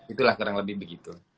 itulah kurang lebih begitu